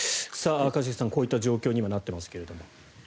一茂さん、こういった状況になっていますが。